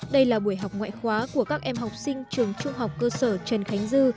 đây là buổi học ngoại khóa của các em học sinh trường trung học cơ sở trần khánh dư